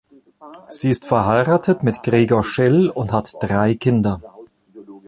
Sie ist verheiratet mit Gregor Schell und hat drei Kinder.